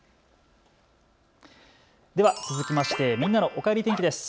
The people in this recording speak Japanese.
では続きましてみんなのおかえり天気です。